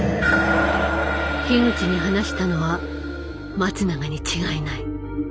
樋口に話したのは松永に違いない。